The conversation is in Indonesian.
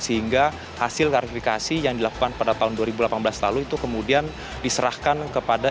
sehingga hasil klarifikasi yang dilakukan pada tahun dua ribu delapan belas lalu itu kemudian diserahkan kepada